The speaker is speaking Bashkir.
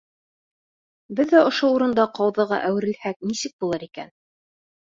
Беҙ ҙә ошо урында ҡауҙыға әүерелһәк, нисек булыр икән?